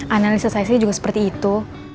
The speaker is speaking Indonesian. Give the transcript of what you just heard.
analisa saya sih juga seperti itu